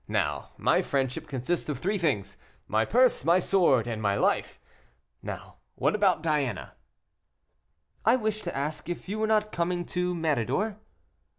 Now my friendship consists of three things, my purse, my sword, and my life. Now, what about Diana?" "I wished to ask if you were not coming to Méridor."